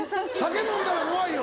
酒飲んだら怖いよ